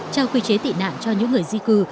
trao quy chế tị nạn cho những người di cư